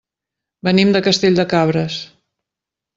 Venim de Castell de Cabres.